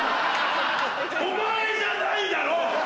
お前じゃないだろ！